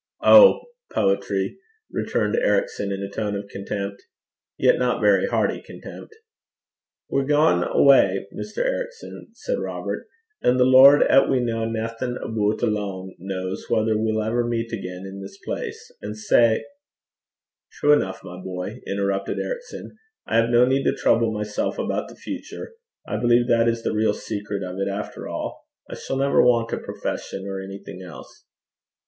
'Oh! Poetry!' returned Ericson, in a tone of contempt yet not very hearty contempt. 'We're gaein' awa', Mr. Ericson,' said Robert; 'an' the Lord 'at we ken naething aboot alane kens whether we'll ever meet again i' this place. And sae ' 'True enough, my boy,' interrupted Ericson. 'I have no need to trouble myself about the future. I believe that is the real secret of it after all. I shall never want a profession or anything else.'